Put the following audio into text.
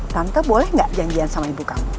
tante boleh gak janjian sama ibu kamu